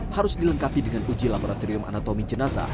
harus dilengkapi dengan uji laboratorium anatomi jenazah